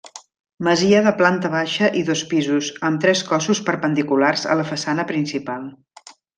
Masia de planta baixa i dos pisos, amb tres cossos perpendiculars a la façana principal.